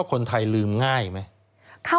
สวัสดีค่ะต้องรับคุณผู้ชมเข้าสู่ชูเวสตีศาสตร์หน้า